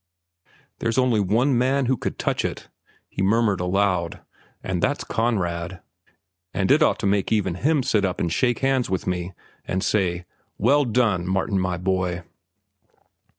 "There's only one man who could touch it," he murmured aloud, "and that's Conrad. And it ought to make even him sit up and shake hands with me, and say, 'Well done, Martin, my boy.